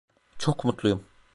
Çok mutluyum.